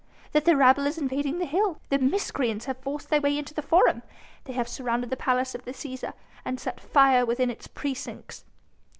"That the rabble is invading the hill. The miscreants have forced their way into the Forum. They have surrounded the palace of the Cæsar and set fire within its precincts."